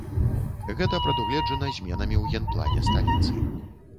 Гэта прадугледжана зменамі ў генплане сталіцы.